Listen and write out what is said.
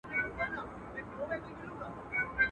نور څه نه وای چي هر څه وای.